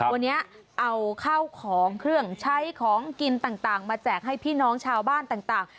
วันนี้เอาข้าวของเครื่องใช้ของกินต่างมาแจกให้พี่น้องชาวบ้านต่าง